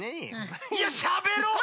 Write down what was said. いやしゃべろう！